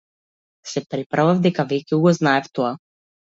Се преправав дека веќе го знаев тоа.